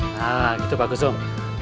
nah gitu bagus om